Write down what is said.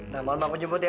nah malem aku jemput ya